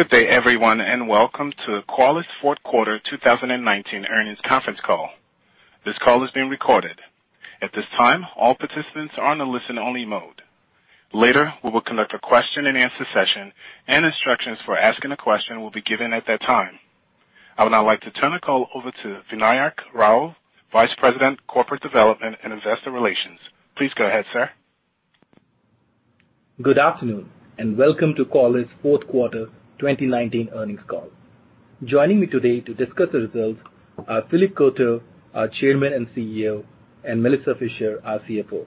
Good day, everyone. Welcome to Qualys' fourth quarter 2019 earnings conference call. This call is being recorded. At this time, all participants are on a listen-only mode. Later, we will conduct a question-and-answer session, and instructions for asking a question will be given at that time. I would now like to turn the call over to Vinayak Rao, Vice President, Corporate Development and Investor Relations. Please go ahead, sir. Good afternoon, and welcome to Qualys' fourth quarter 2019 earnings call. Joining me today to discuss the results are Philippe Courtot, our Chairman and CEO, and Melissa Fisher, our CFO.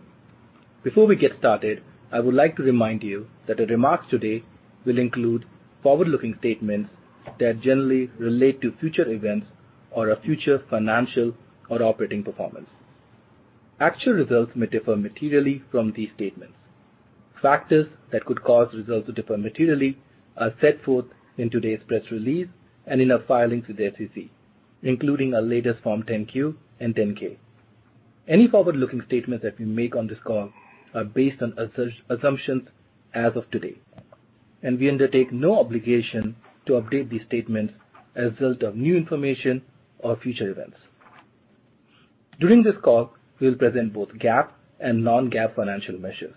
Before we get started, I would like to remind you that the remarks today will include forward-looking statements that generally relate to future events or our future financial or operating performance. Actual results may differ materially from these statements. Factors that could cause results to differ materially are set forth in today's press release and in our filings with the SEC, including our latest Form 10-Q and 10-K. Any forward-looking statements that we make on this call are based on assumptions as of today, and we undertake no obligation to update these statements as a result of new information or future events. During this call, we'll present both GAAP and non-GAAP financial measures.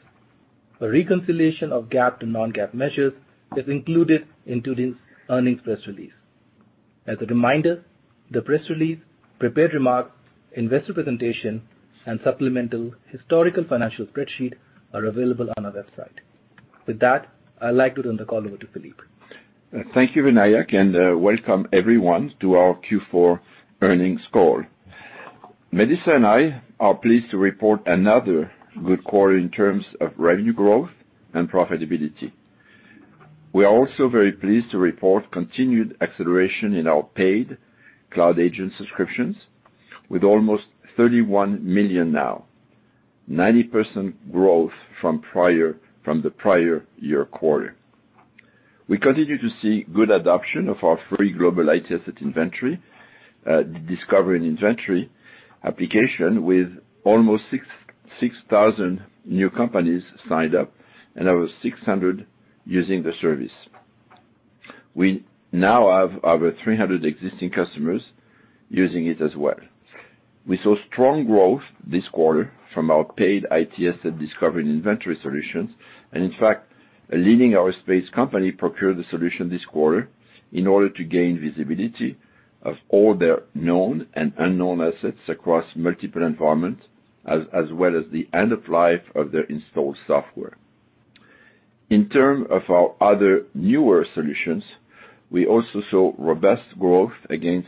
A reconciliation of GAAP to non-GAAP measures is included in today's earnings press release. As a reminder, the press release, prepared remarks, investor presentation, and supplemental historical financial spreadsheet are available on our website. With that, I'd like to turn the call over to Philippe. Thank you, Vinayak, and welcome, everyone, to our Q4 earnings call. Melissa and I are pleased to report another good quarter in terms of revenue growth and profitability. We are also very pleased to report continued acceleration in our paid Cloud Agent subscriptions with almost 31 million now, 90% growth from the prior year quarter. We continue to see good adoption of our free global IT asset inventory, discovery, and inventory application with almost 6,000 new companies signed up and over 600 using the service. We now have over 300 existing customers using it as well. We saw strong growth this quarter from our paid IT asset discovery and inventory solutions, and in fact, a leading aerospace company procured the solution this quarter in order to gain visibility of all their known and unknown assets across multiple environments, as well as the end of life of their installed software. In term of our other newer solutions, we also saw robust growth, again,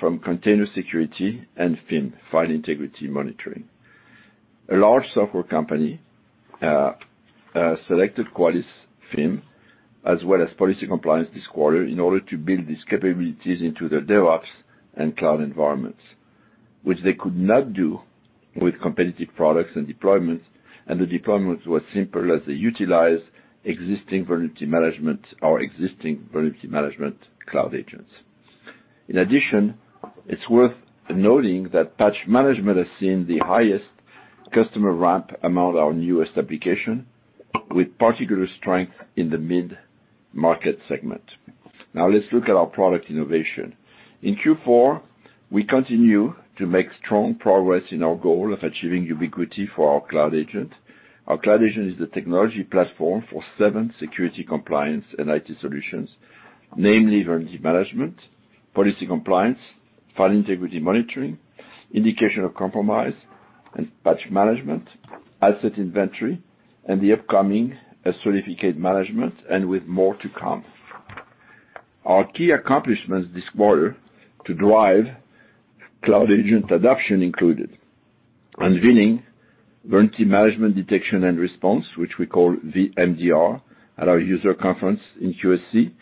from Container Security and FIM, File Integrity Monitoring. A large software company selected Qualys FIM as well as Policy Compliance this quarter in order to build these capabilities into their DevOps and cloud environments, which they could not do with competitive products and deployments, and the deployments were simple as they utilized our existing Vulnerability Management Cloud Agents. In addition, it's worth noting that Patch Management has seen the highest customer ramp among our newest application, with particular strength in the mid-market segment. Now let's look at our product innovation. In Q4, we continue to make strong progress in our goal of achieving ubiquity for our Cloud Agent. Our Cloud Agent is the technology platform for seven security compliance and IT solutions, namely Vulnerability Management, Policy Compliance, File Integrity Monitoring, Indication of Compromise, Patch Management, Asset Inventory, and the upcoming Certificate Management, and with more to come. Our key accomplishments this quarter to drive Cloud Agent adoption included unveiling Vulnerability Management, Detection and Response, which we call VMDR, at our user conference in QSC.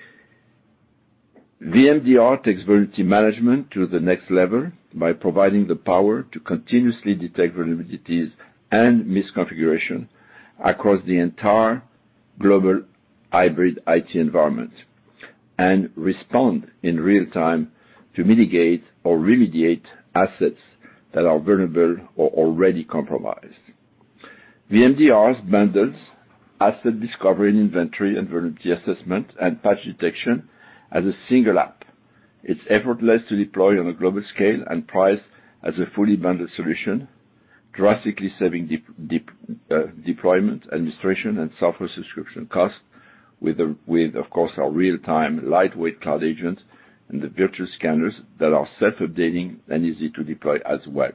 VMDR takes Vulnerability Management to the next level by providing the power to continuously detect vulnerabilities and misconfiguration across the entire global hybrid IT environment and respond in real-time to mitigate or remediate assets that are vulnerable or already compromised. VMDR bundles asset discovery and inventory and vulnerability assessment and patch detection as a single app. It's effortless to deploy on a global scale and priced as a fully bundled solution, drastically saving deployment, administration, and software subscription costs with, of course, our real-time lightweight Cloud Agent and the virtual scanners that are self-updating and easy to deploy as well.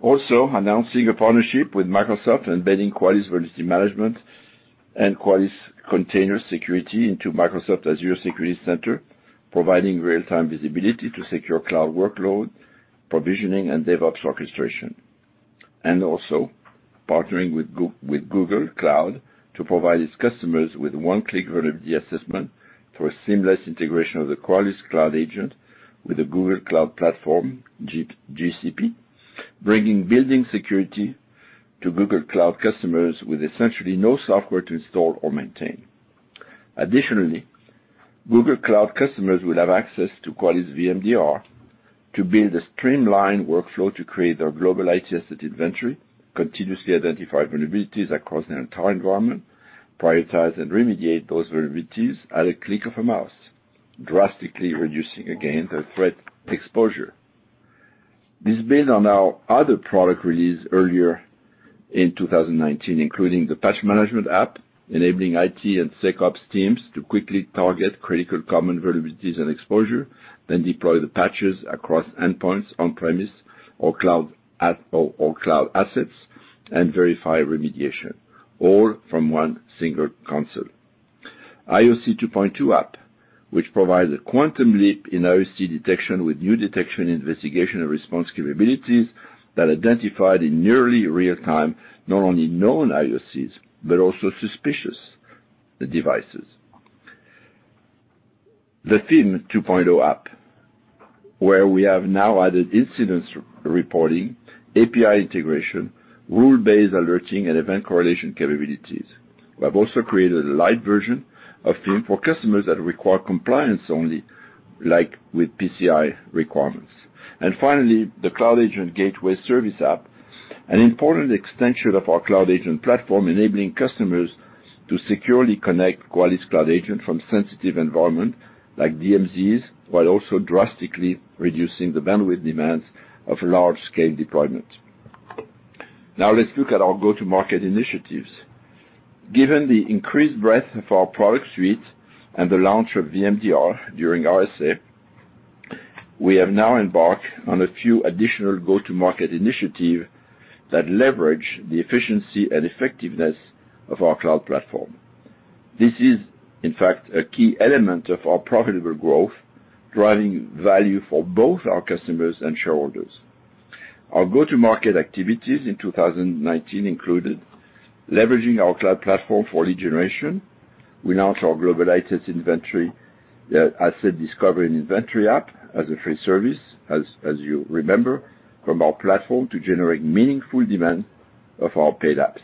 Also, announcing a partnership with Microsoft embedding Qualys Vulnerability Management and Qualys Container Security into Microsoft Azure Security Center, providing real-time visibility to secure cloud workload, provisioning, and DevOps orchestration. Also partnering with Google Cloud to provide its customers with one-click vulnerability assessment through a seamless integration of the Qualys Cloud Agent with the Google Cloud Platform, GCP, bringing building security to Google Cloud customers with essentially no software to install or maintain. Additionally, Google Cloud customers will have access to Qualys VMDR to build a streamlined workflow to create their global IT asset inventory, continuously identify vulnerabilities across their entire environment, prioritize and remediate those vulnerabilities at a click of a mouse, drastically reducing, again, their threat exposure. This builds on our other product release earlier in 2019, including the Patch Management app, enabling IT and SecOps teams to quickly target critical Common Vulnerabilities and Exposures, then deploy the patches across endpoints on-premise or cloud assets and verify remediation, all from one single console. IoC 2.2 app, which provides a quantum leap in IoC detection with new detection, investigation, and response capabilities that identify in nearly real time, not only known IoCs, but also suspicious devices. The FIM 2.0 app, where we have now added incident reporting, API integration, rule-based alerting, and event correlation capabilities. We have also created a lite version of FIM for customers that require compliance only, like with PCI requirements. Finally, the Qualys Gateway Service app, an important extension of our cloud agent platform, enabling customers to securely connect Qualys Cloud Agent from sensitive environment like DMZs, while also drastically reducing the bandwidth demands of large-scale deployment. Let's look at our go-to-market initiatives. Given the increased breadth of our product suite and the launch of VMDR during RSA, we have now embarked on a few additional go-to-market initiative that leverage the efficiency and effectiveness of our cloud platform. This is, in fact, a key element of our profitable growth, driving value for both our customers and shareholders. Our go-to-market activities in 2019 included leveraging our cloud platform for lead generation. We launched our global IT asset discovery and inventory app as a free service, as you remember, from our platform to generate meaningful demand of our paid apps.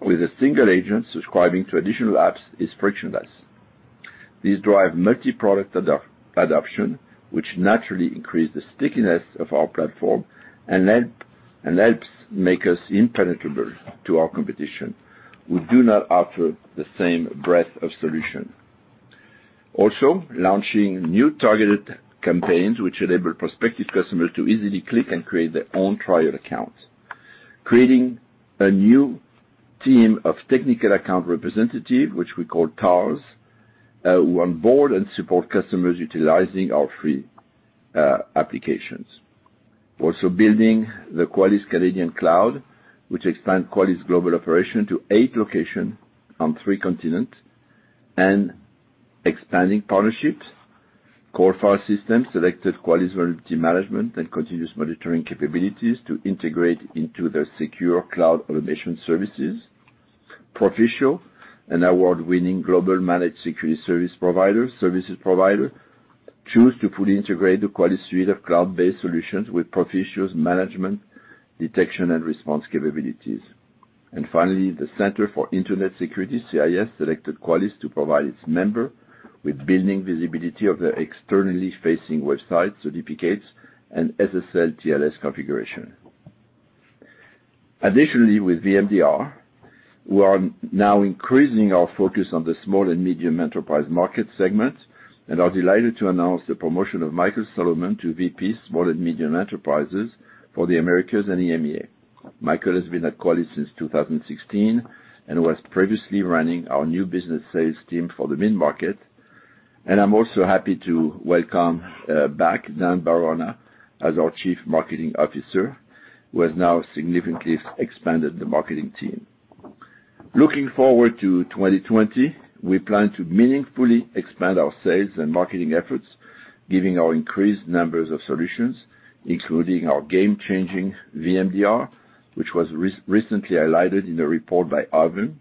With a single agent, subscribing to additional apps is frictionless. These drive multi-product adoption, which naturally increase the stickiness of our platform and helps make us impenetrable to our competition who do not offer the same breadth of solution. Launching new targeted campaigns, which enable prospective customers to easily click and create their own trial accounts. Creating a new team of technical account representatives, which we call TARs, who onboard and support customers utilizing our free applications. Building the Qualys Canadian Cloud, which expands Qualys global operation to eight locations on three continents. Expanding partnerships. Coalfire selected Qualys Vulnerability Management and Continuous Monitoring capabilities to integrate into their secure cloud automation services. Proficio, an award-winning global managed security services provider, chose to fully integrate the Qualys suite of cloud-based solutions with Proficio's management, detection, and response capabilities. Finally, the Center for Internet Security, CIS, selected Qualys to provide its members with building visibility of their externally facing website certificates and SSL/TLS configuration. Additionally, with VMDR, we are now increasing our focus on the small and medium enterprise market segment and are delighted to announce the promotion of Michael Solomon to VP, small and medium enterprises for the Americas and EMEA. Michael has been at Qualys since 2016 and was previously running our new business sales team for the mid-market. I'm also happy to welcome back Dan Barona as our Chief Marketing Officer, who has now significantly expanded the marketing team. Looking forward to 2020, we plan to meaningfully expand our sales and marketing efforts, giving our increased numbers of solutions, including our game-changing VMDR, which was recently highlighted in a report by Ovum,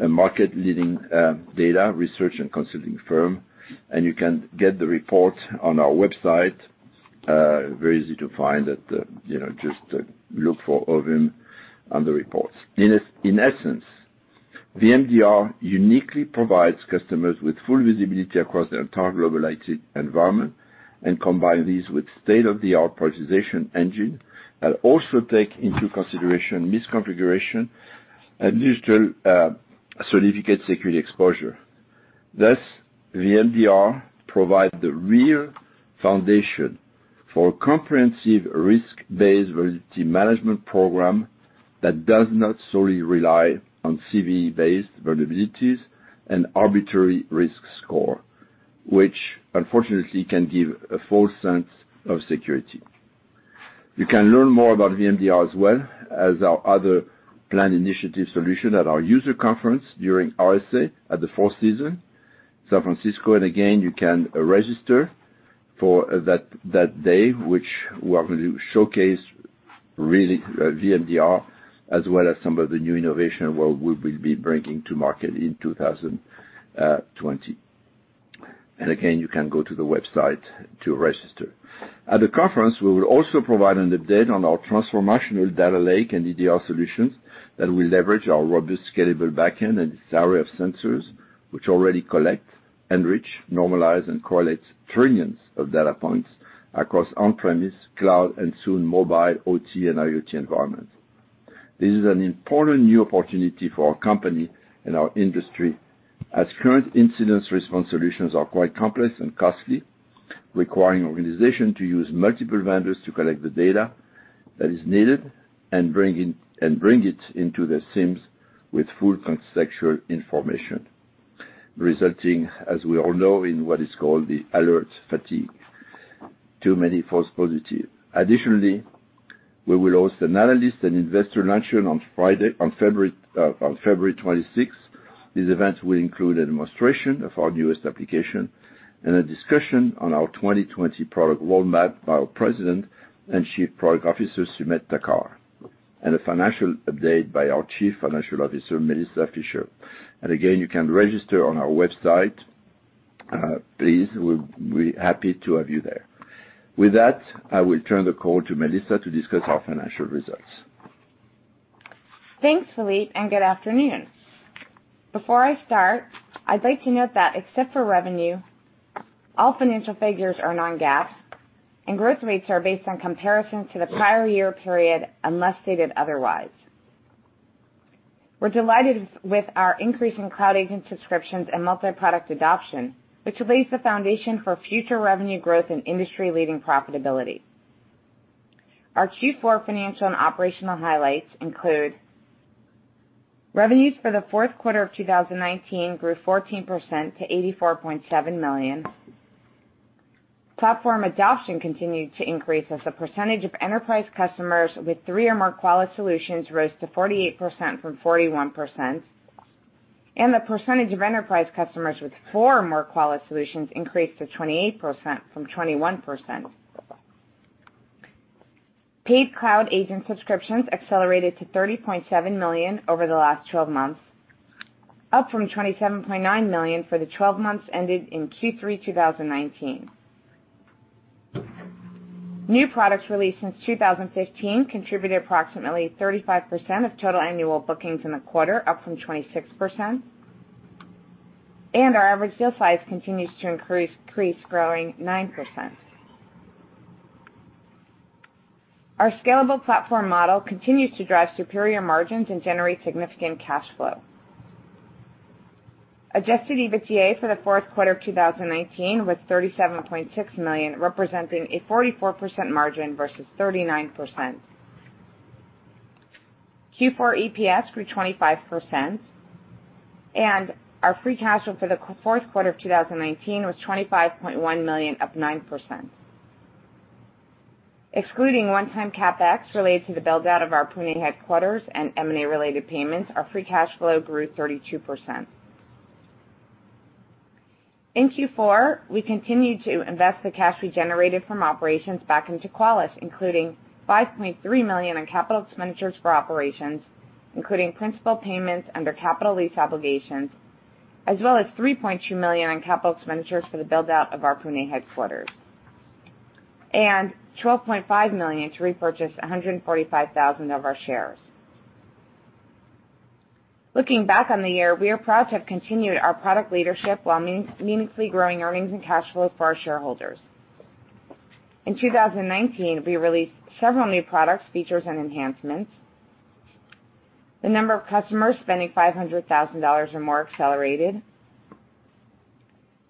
a market-leading data research and consulting firm. You can get the report on our website, very easy to find, just look for Ovum and the reports. In essence, VMDR uniquely provides customers with full visibility across their entire global IT environment and combine these with state-of-the-art prioritization engine that also take into consideration misconfiguration and digital certificate security exposure. VMDR provide the real foundation for comprehensive risk-based vulnerability management program that does not solely rely on CVE-based vulnerabilities and arbitrary risk score, which unfortunately can give a false sense of security. You can learn more about VMDR as well as our other planned initiative solution at our user conference during RSA at the Four Seasons, San Francisco. You can register for that day, which we are going to showcase VMDR as well as some of the new innovation where we will be bringing to market in 2020. You can go to the website to register. At the conference, we will also provide an update on our transformational data lake and EDR solutions that will leverage our robust, scalable backend and its array of sensors, which already collect, enrich, normalize, and correlate trillions of data points across on-premise, cloud, and soon mobile, OT, and IoT environments. This is an important new opportunity for our company and our industry, as current incident response solutions are quite complex and costly, requiring organizations to use multiple vendors to collect the data that is needed, and bring it into the SIEMs with full contextual information, resulting, as we all know, in what is called the alert fatigue, too many false positives. Additionally, we will host an analyst and investor luncheon on February 26th. These events will include a demonstration of our newest application and a discussion on our 2020 product roadmap by our President and Chief Product Officer, Sumedh Thakar, and a financial update by our Chief Financial Officer, Melissa Fisher. Again, you can register on our website, please. We're happy to have you there. With that, I will turn the call to Melissa to discuss our financial results. Thanks, Philippe. Good afternoon. Before I start, I'd like to note that except for revenue, all financial figures are non-GAAP, and growth rates are based on comparison to the prior year period, unless stated otherwise. We're delighted with our increase in Cloud Agent subscriptions and multi-product adoption, which lays the foundation for future revenue growth and industry-leading profitability. Our Q4 financial and operational highlights include: revenues for the fourth quarter of 2019 grew 14% to $84.7 million. Platform adoption continued to increase as a percentage of enterprise customers with three or more Qualys solutions rose to 48% from 41%. The percentage of enterprise customers with four or more Qualys solutions increased to 28% from 21%. Paid Cloud Agent subscriptions accelerated to 30.7 million over the last 12 months, up from 27.9 million for the 12 months ended in Q3 2019. New products released since 2015 contributed approximately 35% of total annual bookings in the quarter, up from 26%. Our average deal size continues to increase, growing 9%. Our scalable platform model continues to drive superior margins and generate significant cash flow. Adjusted EBITDA for the fourth quarter of 2019 was $37.6 million, representing a 44% margin versus 39%. Q4 EPS grew 25%, and our free cash flow for the fourth quarter of 2019 was $25.1 million, up 9%. Excluding one-time CapEx related to the build-out of our Pune headquarters and M&A related payments, our free cash flow grew 32%. In Q4, we continued to invest the cash we generated from operations back into Qualys, including $5.3 million in capital expenditures for operations, including principal payments under capital lease obligations, as well as $3.2 million in capital expenditures for the build-out of our Pune headquarters, and $12.5 million to repurchase 145,000 of our shares. Looking back on the year, we are proud to have continued our product leadership while meaningfully growing earnings and cash flow for our shareholders. In 2019, we released several new products, features, and enhancements. The number of customers spending $500,000 or more accelerated.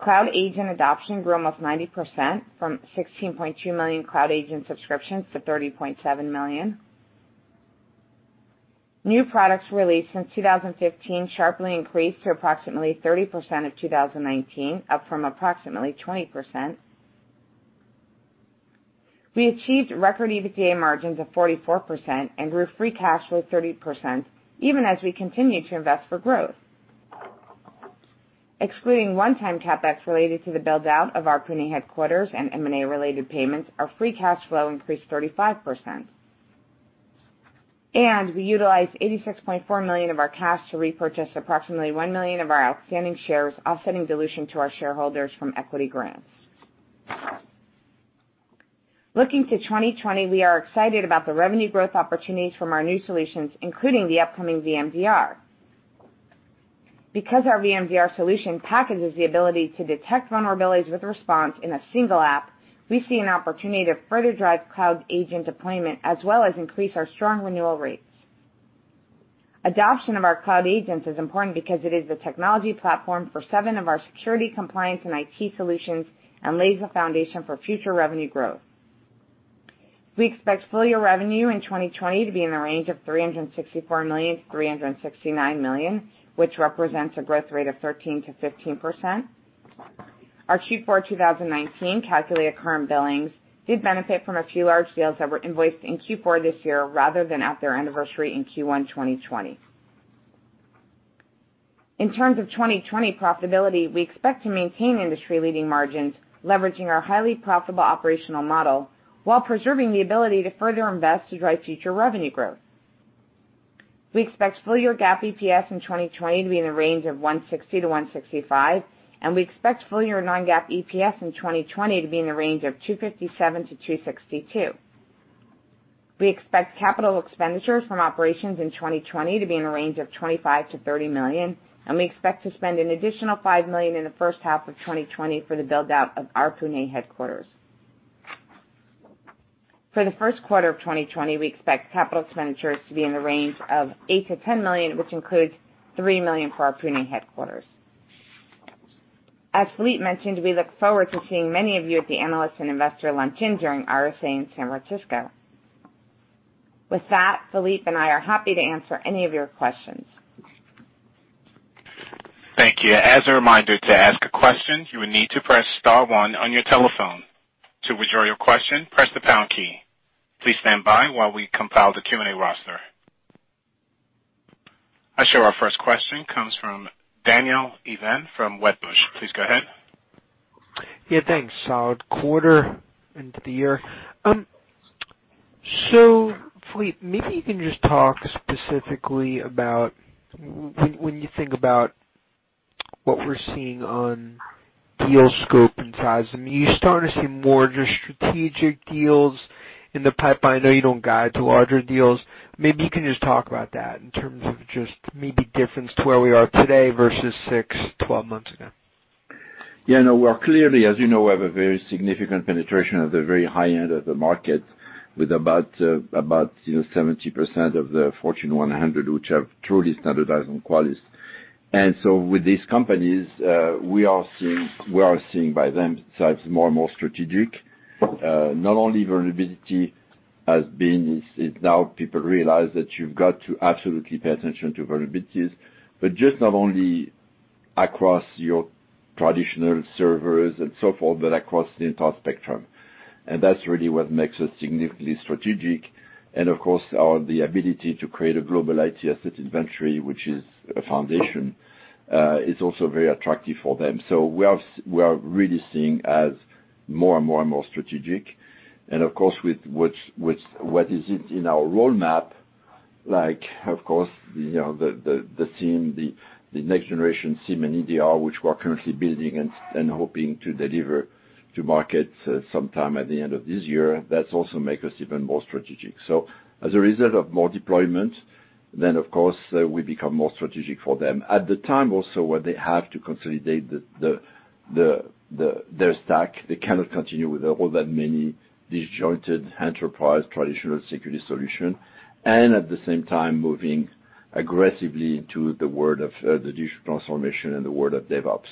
Cloud Agent adoption grew almost 90%, from 16.2 million Cloud Agent subscriptions to 30.7 million. New products released since 2015 sharply increased to approximately 30% in 2019, up from approximately 20%. We achieved record EBITDA margins of 44% and grew free cash flow 30%, even as we continued to invest for growth. Excluding one-time CapEx related to the build-out of our Pune headquarters and M&A related payments, our free cash flow increased 35%. We utilized $86.4 million of our cash to repurchase approximately 1 million of our outstanding shares, offsetting dilution to our shareholders from equity grants. Looking to 2020, we are excited about the revenue growth opportunities from our new solutions, including the upcoming VMDR. Because our VMDR solution packages the ability to detect vulnerabilities with response in a single app, we see an opportunity to further drive Cloud Agent deployment, as well as increase our strong renewal rates. Adoption of our Cloud Agents is important because it is the technology platform for seven of our security compliance and IT solutions and lays the foundation for future revenue growth. We expect full-year revenue in 2020 to be in the range of $364 million-$369 million, which represents a growth rate of 13%-15%. Our Q4 2019 calculated current billings did benefit from a few large deals that were invoiced in Q4 this year rather than at their anniversary in Q1 2020. In terms of 2020 profitability, we expect to maintain industry-leading margins, leveraging our highly profitable operational model while preserving the ability to further invest to drive future revenue growth. We expect full-year GAAP EPS in 2020 to be in the range of $1.60-$1.65, and we expect full-year non-GAAP EPS in 2020 to be in the range of $2.57-$2.62. We expect capital expenditures from operations in 2020 to be in the range of $25 million-$30 million, and we expect to spend an additional $5 million in the first half of 2020 for the build-out of our Pune headquarters. For the first quarter of 2020, we expect capital expenditures to be in the range of $8 million-$10 million, which includes $3 million for our Pune headquarters. As Philippe mentioned, we look forward to seeing many of you at the Analyst and Investor Luncheon during RSA in San Francisco. With that, Philippe and I are happy to answer any of your questions. Thank you. As a reminder, to ask a question, you will need to press star one on your telephone. To withdraw your question, press the pound key. Please stand by while we compile the Q&A roster. I show our first question comes from Daniel Ives from Wedbush. Please go ahead. Yeah, thanks. Solid quarter into the year. Philippe, maybe you can just talk specifically about when you think about what we're seeing on deal scope and size, you're starting to see more just strategic deals in the pipeline. I know you don't guide to larger deals. Maybe you can just talk about that in terms of just maybe difference to where we are today versus six, 12 months ago. Yeah, no, we are clearly, as you know, we have a very significant penetration of the very high end of the market with about 70% of the Fortune 100, which have truly standardized on Qualys. With these companies, we are seeing by them size more and more strategic. Not only vulnerability has been, is now people realize that you've got to absolutely pay attention to vulnerabilities, but just not only across your traditional servers and so forth, but across the entire spectrum. That's really what makes us significantly strategic. Of course, the ability to create a global IT asset inventory, which is a foundation, is also very attractive for them. We are really seeing as more and more strategic. Of course, with what is it in our roadmap, like, of course, the SIEM, the next generation SIEM and EDR, which we're currently building and hoping to deliver to market sometime at the end of this year. That also makes us even more strategic. As a result of more deployment, then, of course, we become more strategic for them. At the time also, where they have to consolidate their stack, they cannot continue with all that many disjointed enterprise traditional security solution. At the same time, moving aggressively into the world of digital transformation and the world of DevOps.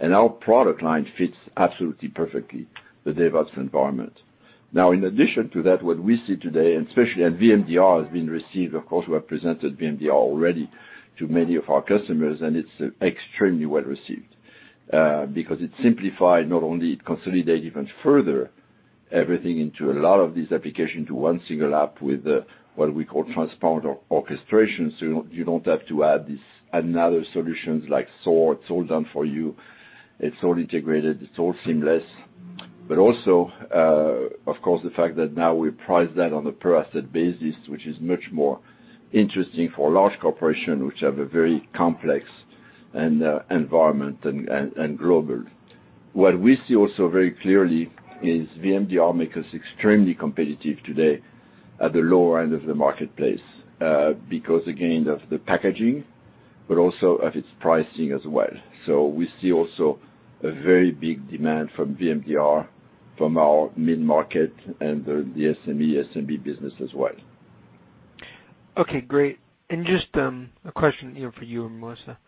Our product line fits absolutely perfectly the DevOps environment. In addition to that, what we see today, especially, VMDR has been received, of course, we have presented VMDR already to many of our customers, and it's extremely well-received because it simplified not only it consolidate even further everything into a lot of these application to one single app with what we call transparent orchestration, so you don't have to add these another solutions like SOAR. It's all done for you. It's all integrated. It's all seamless. Also, of course, the fact that now we price that on a per asset basis, which is much more interesting for large corporation, which have a very complex environment and global. What we see also very clearly is VMDR make us extremely competitive today at the lower end of the marketplace because, again, of the packaging, but also of its pricing as well. We see also a very big demand from VMDR from our mid-market and the SME business as well. Okay, great. Just a question for you, Melissa.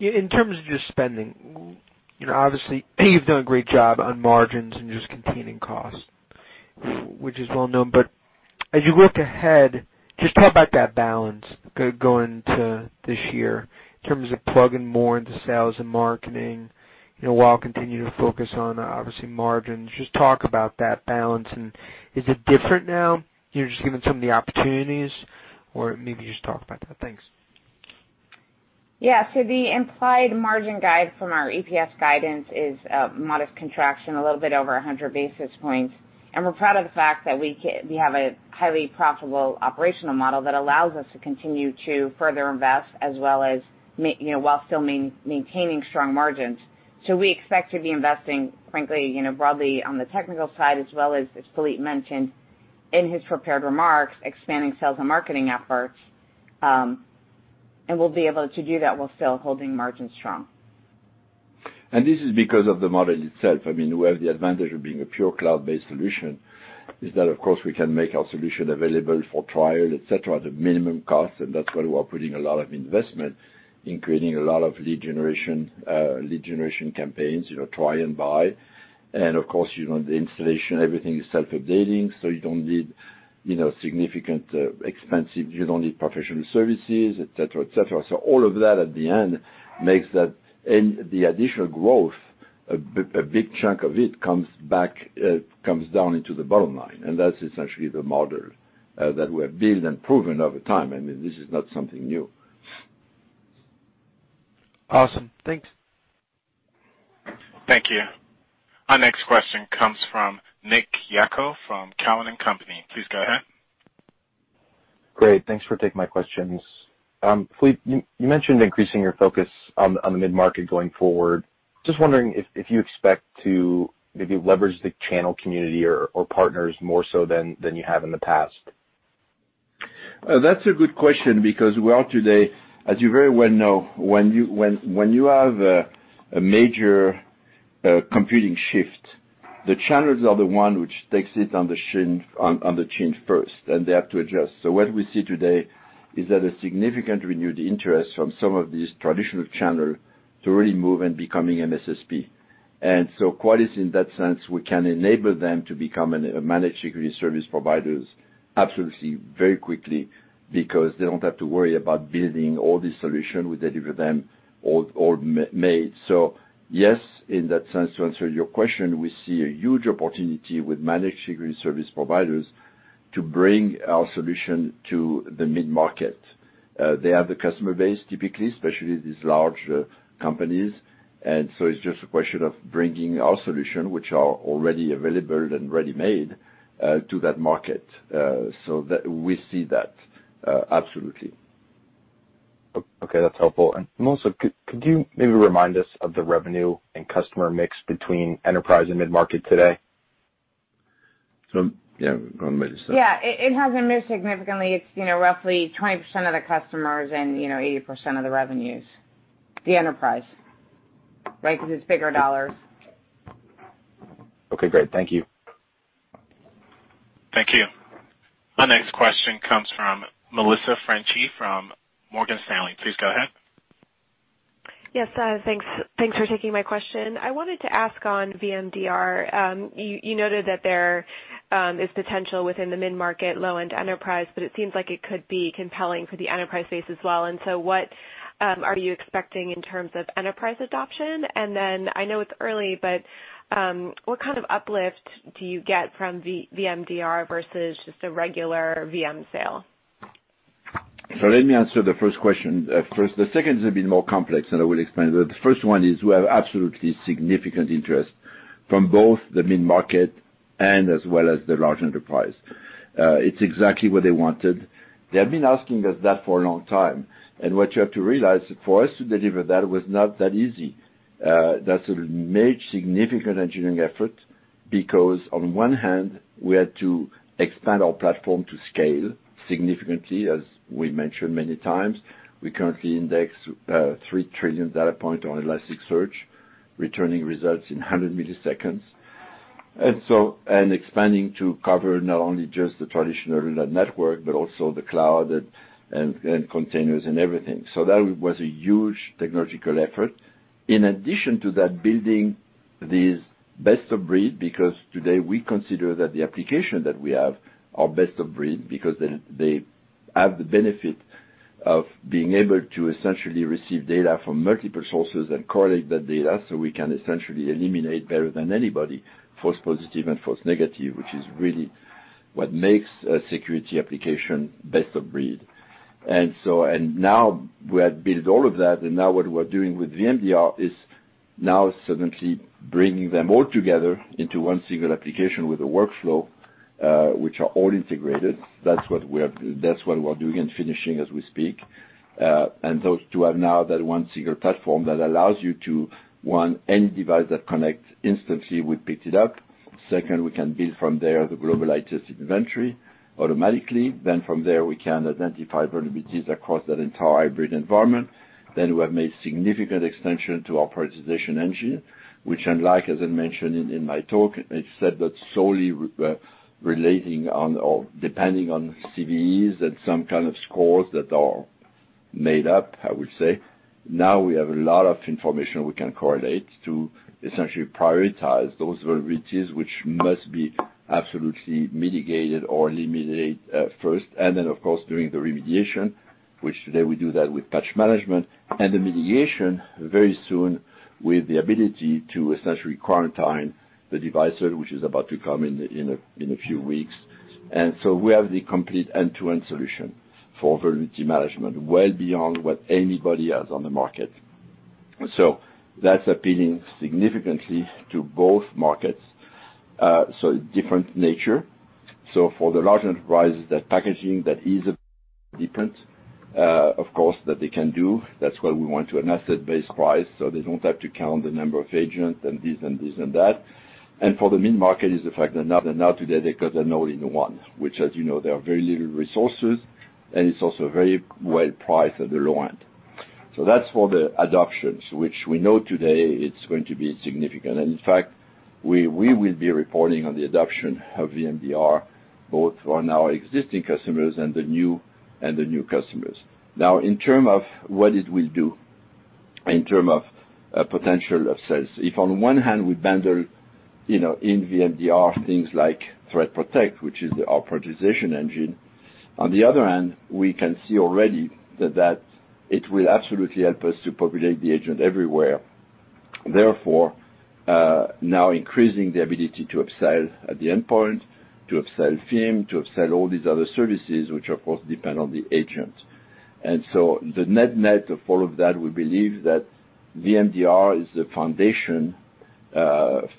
In terms of just spending, obviously, you've done a great job on margins and just containing costs, which is well known. As you look ahead, just talk about that balance going into this year in terms of plugging more into sales and marketing, while continuing to focus on, obviously, margins. Just talk about that balance, is it different now, just given some of the opportunities? Maybe just talk about that. Thanks. Yeah. The implied margin guide from our EPS guidance is a modest contraction, a little bit over 100 basis points. We're proud of the fact that we have a highly profitable operational model that allows us to continue to further invest, as well as while still maintaining strong margins. We expect to be investing, frankly, broadly on the technical side, as well as Philippe mentioned in his prepared remarks, expanding sales and marketing efforts. We'll be able to do that while still holding margins strong. This is because of the model itself. We have the advantage of being a pure cloud-based solution, is that, of course, we can make our solution available for trial, et cetera, at a minimum cost, and that's why we are putting a lot of investment in creating a lot of lead generation campaigns, try and buy. Of course, the installation, everything is self-updating, so you don't need significant expensive, you don't need professional services, et cetera. All of that at the end makes that, and the additional growth, a big chunk of it comes down into the bottom line, and that's essentially the model that we have built and proven over time. This is not something new. Awesome. Thanks. Thank you. Our next question comes from Nick Yako from Cowen and Company. Please go ahead. Great. Thanks for taking my questions. Philippe, you mentioned increasing your focus on the mid-market going forward. Just wondering if you expect to maybe leverage the channel community or partners more so than you have in the past. That's a good question because we are today, as you very well know, when you have a major computing shift, the channels are the one which takes it on the chin first, and they have to adjust. What we see today is that a significant renewed interest from some of these traditional channel to really move and becoming an MSSP. Qualys in that sense, we can enable them to become a managed security service providers absolutely very quickly because they don't have to worry about building all the solution. We deliver them all made. Yes, in that sense, to answer your question, we see a huge opportunity with managed security service providers to bring our solution to the mid-market. They have the customer base typically, especially these large companies, it's just a question of bringing our solution, which are already available and ready-made, to that market. We see that, absolutely. Okay, that's helpful. Also, could you maybe remind us of the revenue and customer mix between enterprise and mid-market today? Yeah. Go on, Melissa. Yeah. It hasn't moved significantly. It's roughly 20% of the customers and 80% of the revenues, the enterprise. It's bigger dollars. Okay, great. Thank you. Thank you. Our next question comes from Melissa Franchi from Morgan Stanley. Please go ahead. Yes, thanks for taking my question. I wanted to ask on VMDR. You noted that there is potential within the mid-market, low-end enterprise, but it seems like it could be compelling for the enterprise space as well. What are you expecting in terms of enterprise adoption? I know it's early, but what kind of uplift do you get from VMDR versus just a regular VM sale? Let me answer the first question first. The second is a bit more complex, and I will explain that. The first one is we have absolutely significant interest from both the mid-market and as well as the large enterprise. It's exactly what they wanted. They have been asking us that for a long time. What you have to realize is for us to deliver that was not that easy. That's a major significant engineering effort because, on one hand, we had to expand our platform to scale significantly, as we mentioned many times. We currently index 3 trillion data point on Elasticsearch, returning results in 100 milliseconds. Expanding to cover not only just the traditional network, but also the cloud and containers and everything. That was a huge technological effort. In addition to that, building these best-of-breed because today we consider that the application that we have are best-of-breed because they have the benefit of being able to essentially receive data from multiple sources and correlate that data so we can essentially eliminate better than anybody, false positive and false negative, which is really what makes a security application best-of-breed. Now we have built all of that, and now what we're doing with VMDR is now suddenly bringing them all together into one single application with a workflow, which are all integrated. That's what we're doing and finishing as we speak. Those two are now that one single platform that allows you to one, any device that connects instantly, we picked it up. Second, we can build from there the global IT inventory automatically. From there, we can identify vulnerabilities across that entire hybrid environment. We have made significant extension to our prioritization engine, which unlike, as I mentioned in my talk, instead of solely relating on or depending on CVEs and some kind of scores that are made up, I would say. Now we have a lot of information we can correlate to essentially prioritize those vulnerabilities which must be absolutely mitigated or eliminate first. Of course, doing the remediation, which today we do that with Patch Management and remediation very soon with the ability to essentially quarantine the device, which is about to come in a few weeks. We have the complete end-to-end solution for Vulnerability Management, well beyond what anybody has on the market. That's appealing significantly to both markets. Different nature. For the large enterprises, that packaging, that ease of different, of course, that they can do. That's why we went to an asset-based price, so they don't have to count the number of agents and this and this and that. For the mid-market is the fact that now today, they got it all in one, which as you know, there are very little resources, and it's also very well priced at the low end. That's for the adoptions, which we know today it's going to be significant. In fact, we will be reporting on the adoption of VMDR, both on our existing customers and the new customers. Now, in terms of what it will do in terms of potential of sales, if on one hand we bundle in VMDR things like ThreatPROTECT, which is our prioritization engine, on the other hand, we can see already that it will absolutely help us to populate the agent everywhere. Therefore, now increasing the ability to upsell at the endpoint, to upsell SIEM, to upsell all these other services, which, of course, depend on the agent. The net of all of that, we believe that VMDR is the foundation,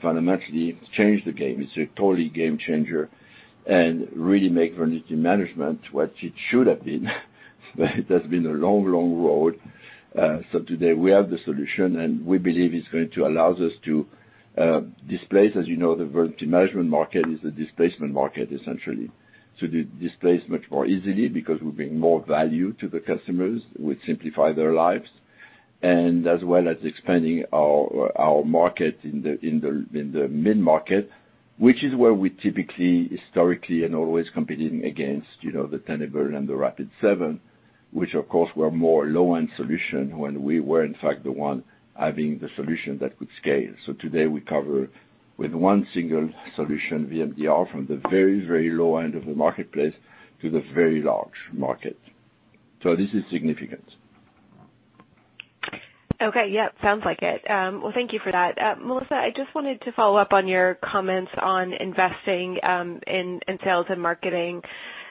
fundamentally change the game. It's a totally game changer and really make vulnerability management what it should have been. It has been a long road. Today we have the solution, and we believe it's going to allow us to displace. As you know, the vulnerability management market is a displacement market, essentially. To displace much more easily because we bring more value to the customers. We simplify their lives and as well as expanding our market in the mid-market, which is where we typically, historically and always competing against the Tenable and the Rapid7, which of course, were more low-end solution, when we were, in fact, the one having the solution that could scale. Today we cover with one single solution, VMDR, from the very low end of the marketplace to the very large market. This is significant. Okay. Yeah, sounds like it. Well, thank you for that. Melissa, I just wanted to follow up on your comments on investing in sales and marketing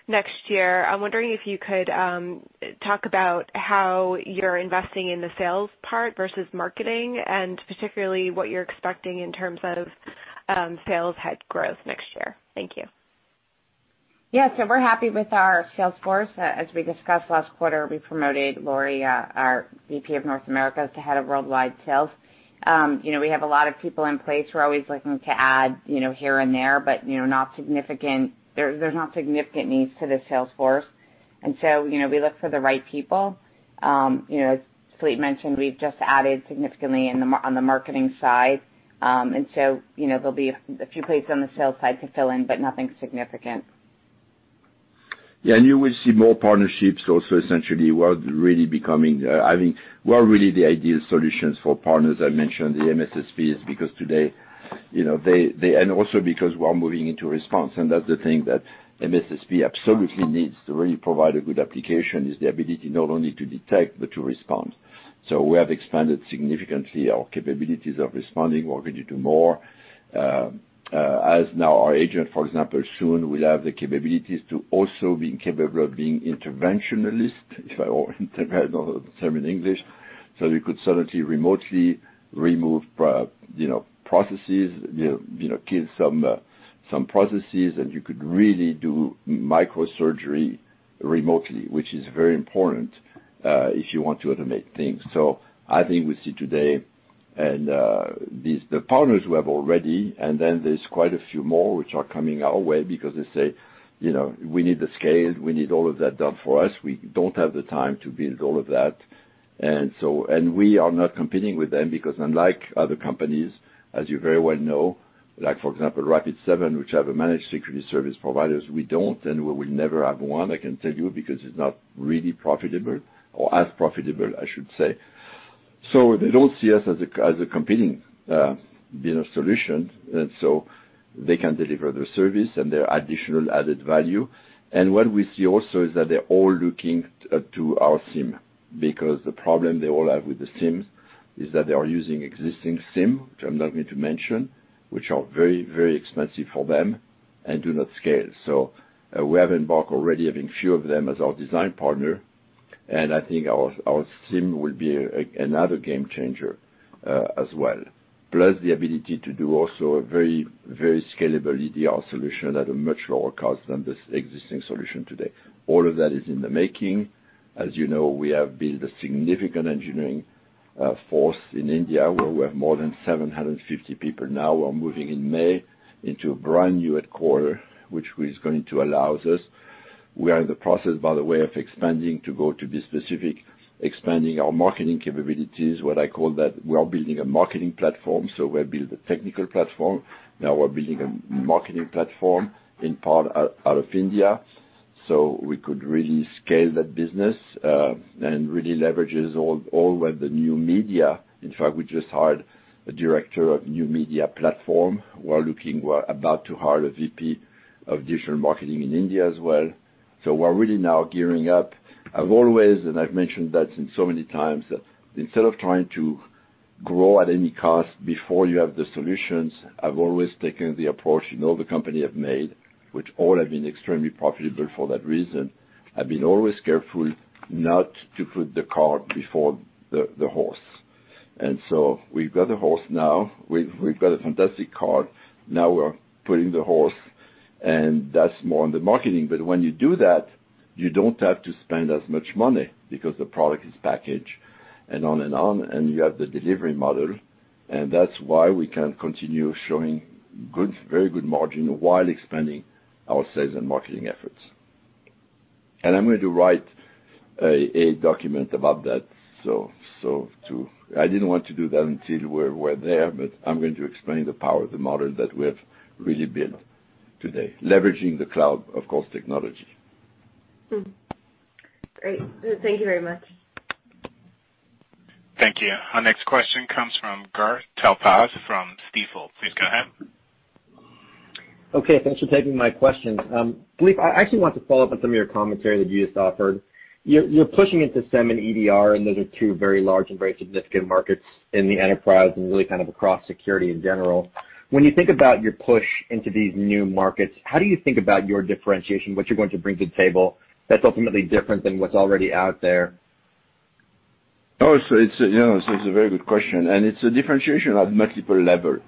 next year. I'm wondering if you could talk about how you're investing in the sales part versus marketing, and particularly what you're expecting in terms of sales head growth next year. Thank you. Yeah. We're happy with our sales force. As we discussed last quarter, we promoted Lori, our VP of North America, to head of worldwide sales. We have a lot of people in place. We're always looking to add here and there, but there's no significant needs to the sales force. We look for the right people. As Philippe mentioned, we've just added significantly on the marketing side. There'll be a few places on the sales side to fill in, but nothing significant. You will see more partnerships also, essentially. We are really the ideal solutions for partners. I mentioned the MSSPs because today, and also because we are moving into response, and that's the thing that MSSP absolutely needs to really provide a good application, is the ability not only to detect but to respond. We have expanded significantly our capabilities of responding. We're going to do more, as now our agent, for example, soon will have the capabilities to also be capable of being interventionalist, if I don't know the term in English. You could certainly remotely remove processes, kill some processes, and you could really do microsurgery remotely, which is very important, if you want to automate things. I think we see today, and the partners who have already, and then there's quite a few more which are coming our way because they say, "We need the scale. We need all of that done for us. We don't have the time to build all of that." We are not competing with them because unlike other companies, as you very well know, like, for example, Rapid7, which have a Managed Security Service Providers, we don't, and we will never have one, I can tell you, because it's not really profitable or as profitable, I should say. They can deliver their service and their additional added value. What we see also is that they're all looking to our SIEM, because the problem they all have with the SIEMs is that they are using existing SIEM, which I'm not going to mention, which are very expensive for them and do not scale. We have embarked already having few of them as our design partner, and I think our SIEM will be another game changer as well. The ability to do also a very scalable EDR solution at a much lower cost than the existing solution today. All of that is in the making. As you know, we have built a significant engineering force in India, where we have more than 750 people now. We're moving in May into a brand new headquarter, which is going to allow us. We are in the process, by the way, of expanding to go to be specific, expanding our marketing capabilities, what I call that we are building a marketing platform. We have built a technical platform. Now we're building a marketing platform in part out of India. We could really scale that business, and really leverage all with the new media. In fact, we just hired a director of new media platform. We're about to hire a VP of digital marketing in India as well. We're really now gearing up. I've always, and I've mentioned that so many times, that instead of trying to grow at any cost before you have the solutions, I've always taken the approach, you know the company I've made, which all have been extremely profitable for that reason. I've been always careful not to put the cart before the horse. We've got a horse now. We've got a fantastic cart. Now we're putting the horse, and that's more on the marketing. When you do that, you don't have to spend as much money because the product is packaged and on, and you have the delivery model, and that's why we can continue showing very good margin while expanding our sales and marketing efforts. I'm going to write a document about that. I didn't want to do that until we're there, but I'm going to explain the power of the model that we have really built today, leveraging the cloud, of course, technology. Great. Thank you very much. Thank you. Our next question comes from Gur Talpaz from Stifel. Please go ahead. Okay, thanks for taking my question. Philippe, I actually want to follow up on some of your commentary that you just offered. You're pushing into SIEM and EDR, those are two very large and very significant markets in the enterprise and really across security in general. When you think about your push into these new markets, how do you think about your differentiation, what you're going to bring to the table that's ultimately different than what's already out there? It's a very good question, and it's a differentiation on multiple levels.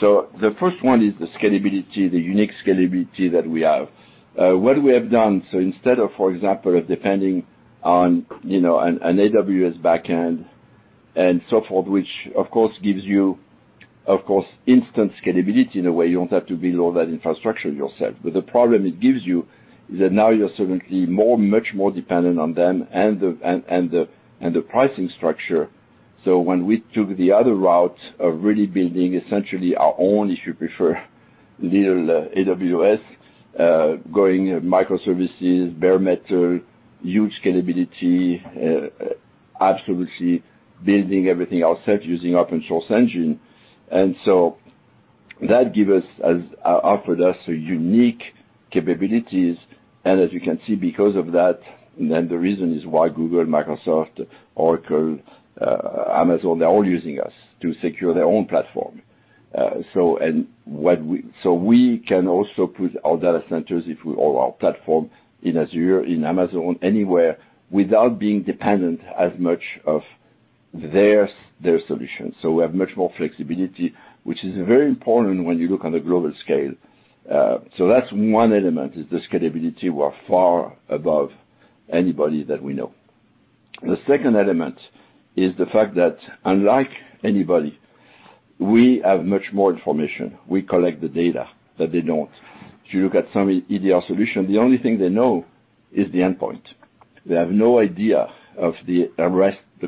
The first one is the scalability, the unique scalability that we have. What we have done, instead of, for example, depending on an AWS backend and so forth, which of course gives you instant scalability in a way. You don't have to build all that infrastructure yourself. The problem it gives you is that now you're suddenly much more dependent on them and the pricing structure. When we took the other route of really building essentially our own, if you prefer, little AWS, going microservices, bare metal, huge scalability, absolutely building everything ourselves using open source engine. That offered us unique capabilities and as you can see because of that, and the reason is why Google, Microsoft, Oracle, Amazon, they're all using us to secure their own platform. We can also put our data centers, if we all our platform in Azure, in Amazon, anywhere without being dependent as much of their solutions. We have much more flexibility, which is very important when you look on the global scale. That's one element is the scalability. We're far above anybody that we know. The second element is the fact that unlike anybody, we have much more information. We collect the data that they don't. If you look at some EDR solution, the only thing they know is the endpoint. They have no idea of the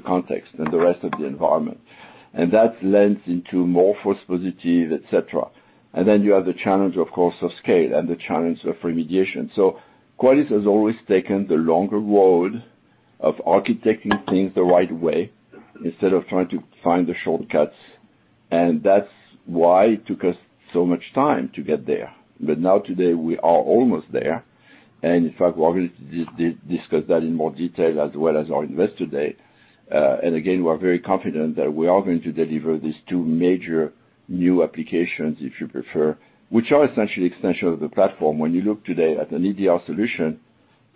context and the rest of the environment. That lends into more false positive, et cetera. Then you have the challenge, of course, of scale and the challenge of remediation. Qualys has always taken the longer road of architecting things the right way instead of trying to find the shortcuts, and that's why it took us so much time to get there. Now today, we are almost there, and in fact, we are going to discuss that in more detail as well as our invest today. Again, we're very confident that we are going to deliver these two major new applications, if you prefer, which are essentially extensions of the platform. When you look today at an EDR solution,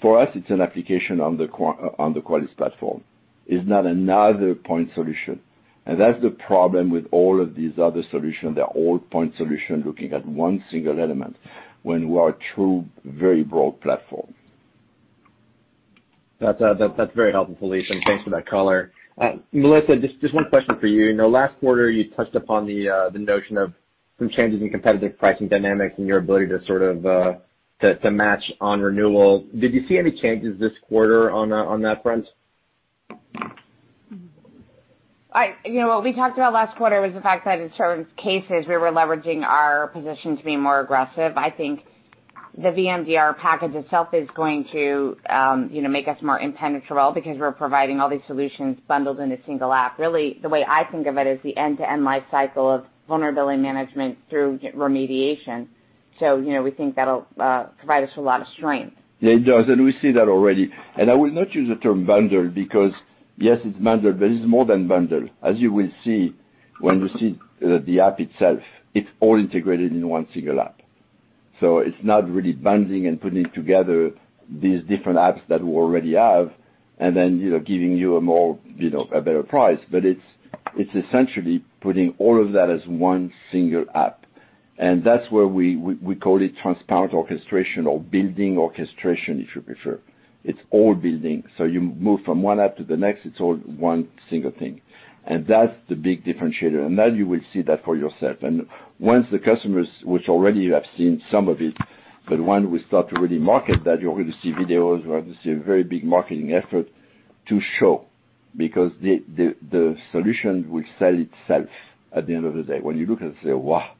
for us, it's an application on the Qualys platform. It's not another point solution. That's the problem with all of these other solutions. They're all point solution looking at one single element when we are true very broad platform. That's very helpful, Philippe, and thanks for that color. Melissa, just one question for you. I know last quarter you touched upon the notion of some changes in competitive pricing dynamics and your ability to sort of to match on renewal. Did you see any changes this quarter on that front? What we talked about last quarter was the fact that in certain cases we were leveraging our position to be more aggressive. I think the VMDR package itself is going to make us more impenetrable because we're providing all these solutions bundled in a single app. Really, the way I think of it is the end-to-end life cycle of vulnerability management through remediation. We think that'll provide us with a lot of strength. It does, and we see that already. I will not use the term bundle because, yes, it's bundled, but it's more than bundled. As you will see when you see the app itself, it's all integrated in one single app. It's not really bundling and putting together these different apps that we already have and then giving you a better price. It's essentially putting all of that as one single app, and that's where we call it transparent orchestration or building orchestration, if you prefer. It's all building. You move from one app to the next, it's all one single thing. That's the big differentiator, and that you will see that for yourself. Once the customers, which already have seen some of it, but when we start to really market that, you're going to see videos, you are going to see a very big marketing effort to show because the solution will sell itself at the end of the day. When you look at it and say, "Wow,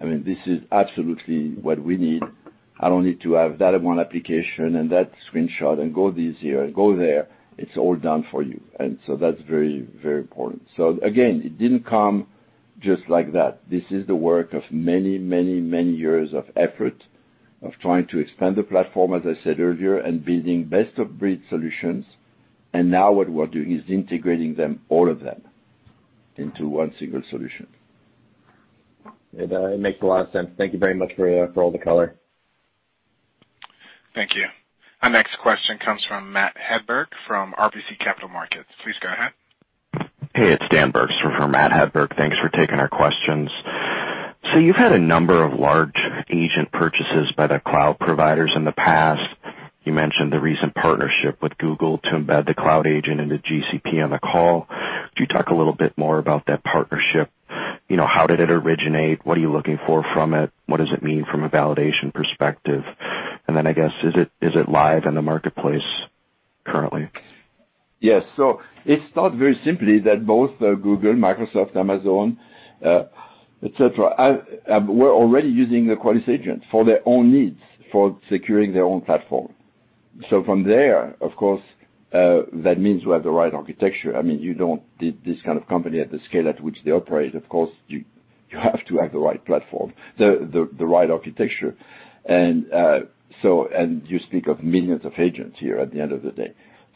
this is absolutely what we need. I don't need to have that one application and that screenshot, and go this here and go there." It's all done for you. That's very, very important. Again, it didn't come just like that. This is the work of many years of effort of trying to expand the platform, as I said earlier, and building best of breed solutions. Now what we're doing is integrating them, all of them, into one single solution. It makes a lot of sense. Thank you very much for all the color. Thank you. Our next question comes from Matt Hedberg from RBC Capital Markets. Please go ahead. Hey, it's Dan Bergstrom for Matt Hedberg. Thanks for taking our questions. You've had a number of large agent purchases by the cloud providers in the past. You mentioned the recent partnership with Google to embed the cloud agent into GCP on the call. Could you talk a little bit more about that partnership? How did it originate? What are you looking for from it? What does it mean from a validation perspective? I guess, is it live in the marketplace currently? Yes. It's not very simply that both Google, Microsoft, Amazon, et cetera, were already using the Qualys agent for their own needs, for securing their own platform. From there, of course, that means we have the right architecture. This kind of company at the scale at which they operate, of course, you have to have the right platform, the right architecture. You speak of millions of agents here at the end of the day.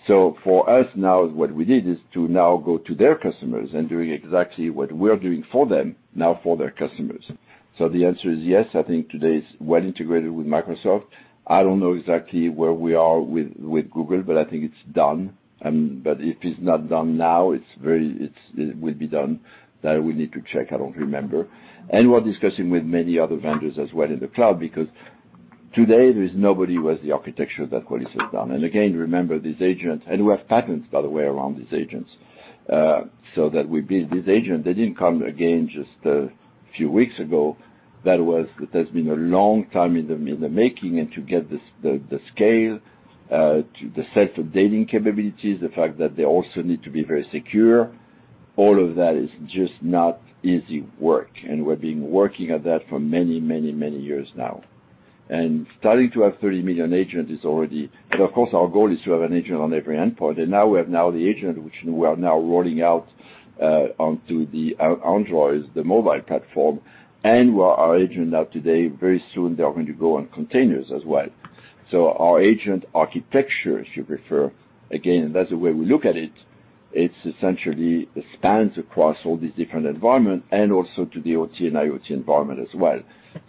For us now, what we did is to now go to their customers and doing exactly what we're doing for them, now for their customers. The answer is yes. I think today it's well integrated with Microsoft. I don't know exactly where we are with Google, but I think it's done. If it's not done now, it will be done. That we need to check, I don't remember. We're discussing with many other vendors as well in the cloud, because today there is nobody who has the architecture that Qualys has done. Again, remember these agents, and we have patents, by the way, around these agents. That we build these agents. They didn't come, again, just a few weeks ago. That has been a long time in the making. To get the scale to the self-updating capabilities, the fact that they also need to be very secure, all of that is just not easy work. We've been working at that for many years now. Starting to have 30 million agents is already. Of course, our goal is to have an agent on every endpoint. Now we have the agent, which we are now rolling out onto the Android, the mobile platform. Our agent now today, very soon, they are going to go on containers as well. Our agent architecture, if you prefer, again, that's the way we look at it. It essentially spans across all these different environment and also to the OT and IoT environment as well.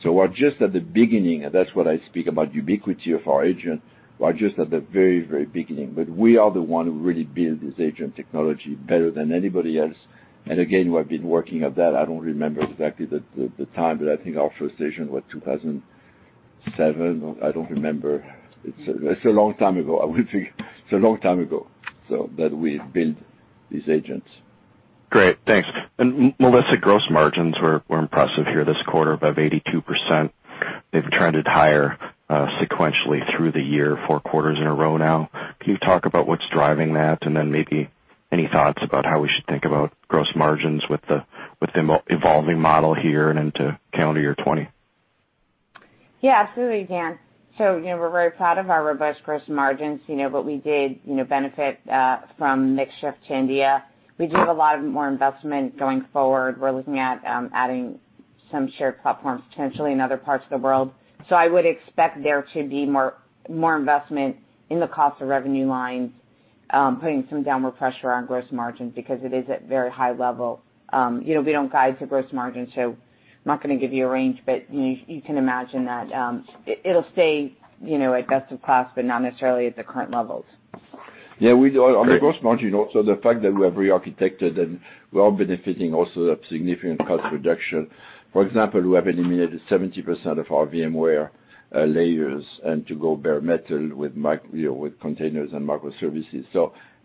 We're just at the beginning, and that's what I speak about ubiquity of our agent. We're just at the very beginning. We are the one who really build this agent technology better than anybody else. Again, we have been working at that. I don't remember exactly the time, but I think our first agent was 2007. I don't remember. It's a long time ago. I would think it's a long time ago that we built these agents. Great. Thanks. Melissa, gross margins were impressive here this quarter by 82%. They've trended higher sequentially through the year, four quarters in a row now. Can you talk about what's driving that? Then maybe any thoughts about how we should think about gross margins with the evolving model here and into calendar year 2020? Absolutely, Dan. We're very proud of our revised gross margins, but we did benefit from mix shift to India. We do have a lot more investment going forward. We're looking at adding some shared platforms potentially in other parts of the world. I would expect there to be more investment in the cost of revenue lines, putting some downward pressure on gross margins because it is at very high level. We don't guide to gross margins, so I'm not going to give you a range, but you can imagine that it'll stay at best of class, but not necessarily at the current levels. On the gross margin also, the fact that we have re-architected and we are benefiting also of significant cost reduction. For example, we have eliminated 70% of our VMware layers and to go bare metal with containers and microservices.